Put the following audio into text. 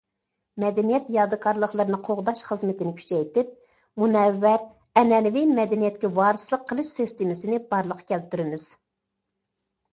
مەدەنىيەت يادىكارلىقلىرىنى قوغداش خىزمىتىنى كۈچەيتىپ، مۇنەۋۋەر ئەنئەنىۋى مەدەنىيەتكە ۋارىسلىق قىلىش سىستېمىسىنى بارلىققا كەلتۈرىمىز.